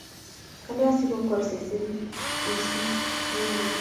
Kalya asigokwor seset mising', mi ne?